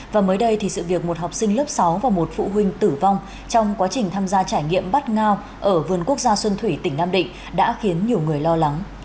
và mới đây thì sự việc một học sinh lớp sáu và một phụ huynh tử vong trong quá trình tham gia trải nghiệm bắt ngao ở vườn quốc gia xuân thủy tỉnh nam định đã khiến nhiều người lo lắng